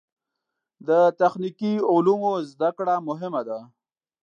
د تخنیکي علومو زده کړه مهمه ده.